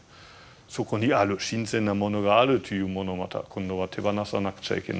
そこにある新鮮なものがあるというのもまた今度は手放さなくちゃいけないし。